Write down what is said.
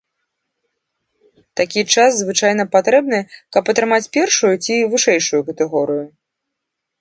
Такі час звычайна патрэбны, каб атрымаць першую ці вышэйшую катэгорыю.